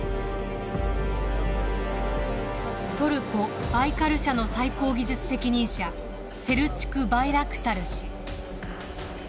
トルコバイカル社の最高技術責任者セルチュク・バイラクタル氏。